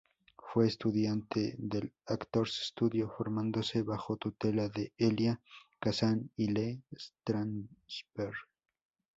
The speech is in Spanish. Fue estudiante del Actors Studio, formándose bajo tutela de Elia Kazan y Lee Strasberg.